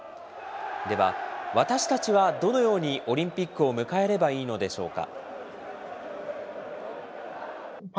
では、私たちはどのようにオリンピックを迎えればいいのでしょうか。